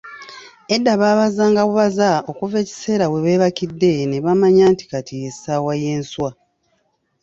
Edda baabazanga bubaza okuva ekiseera webeebakidde nebamanya nti kati ye ssaawa ey'enswa.